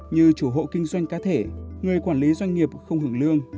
như chủ hộ kinh doanh cá thể người quản lý doanh nghiệp không hưởng lương